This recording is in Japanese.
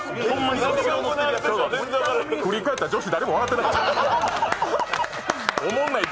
振り返ったら、女子、誰も笑ってない。